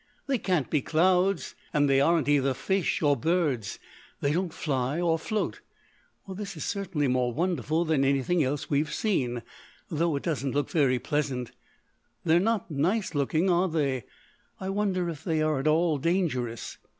They can't be clouds, and they aren't either fish or birds. They don't fly or float. Well, this is certainly more wonderful than anything else we've seen, though it doesn't look very pleasant. They're not nice looking, are they? I wonder if they are at all dangerous!"